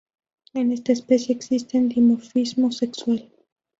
En esta especie existe dimorfismo sexual.